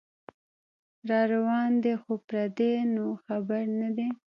راروان دی خو پردې نو خبر نه دی